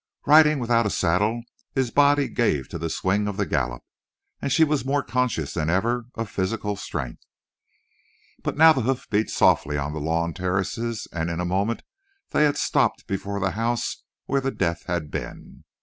Riding without a saddle his body gave to the swing of the gallop, and she was more conscious than ever of physical strength. But now the hoofs beat softly on the lawn terraces, and in a moment they had stopped before the house where the death had been.